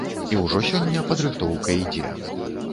І ўжо сёння падрыхтоўка ідзе.